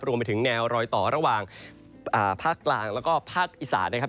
รวมไปถึงแนวรอยต่อระหว่างภาคกลางแล้วก็ภาคอีสานนะครับ